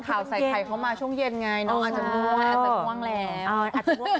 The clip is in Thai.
ข่าวใส่ไขเขามาช่วงเย็นไงเนอะอาจจะบ้วนอาจจะกว้างแหลม